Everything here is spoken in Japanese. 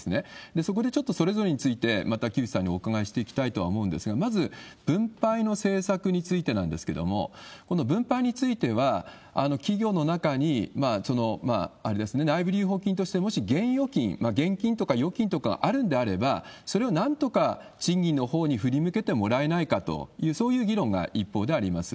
そこでちょっとそれぞれについて、また木内さんにお伺いしていきたいとは思うんですが、まず、分配の政策についてなんですけれども、この分配については、企業の中にあれですね、内部留保金として、もし現預金、現金とか預金とかあるんであれば、それをなんとか賃金のほうに振り向けてもらえないかという、そういう議論が一方であります。